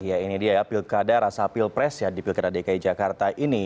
ya ini dia ya pilkada rasa pilpres ya di pilkada dki jakarta ini